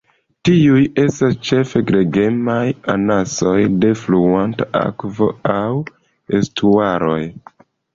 Tiuj estas ĉefe gregemaj anasoj de fluanta akvo aŭ estuaroj.